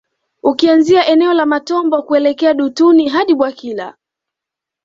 Ukianzia eneo la Matombo kuelekea Dutuni hadi Bwakila